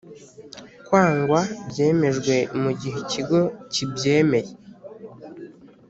kwangwa byemejwe mu gihe Ikigo kibyemeye